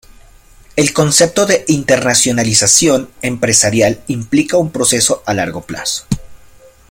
El concepto de internacionalización empresarial implica un proceso a largo plazo.